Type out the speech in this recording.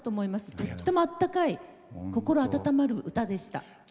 とってもあったかい心温まる歌でした。